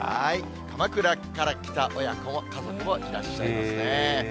鎌倉から来た親子、家族もいらっしゃいますね。